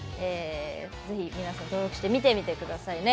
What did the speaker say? ぜひ皆さん、登録して見てみてくださいね。